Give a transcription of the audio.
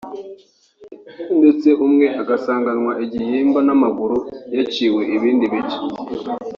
ndetse umwe agasanganwa igihimba n’amaguru yaciwe ibindi bice